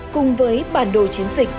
cùng với bản đồ chiến dịch